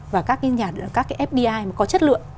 và các cái fdi có chất lượng